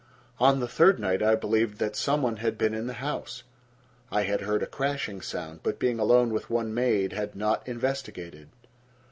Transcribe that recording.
On the third night I believed that some one had been in the house: I had heard a crashing sound, but being alone with one maid had not investigated.